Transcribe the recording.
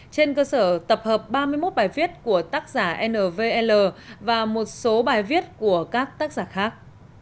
trên cơ sở tập hợp ba mươi một bài viết của tác giả nvl và một số bài viết của các tác giả khác